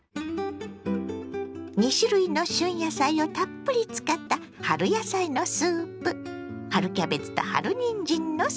２種類の旬野菜をたっぷり使った春野菜のスープ。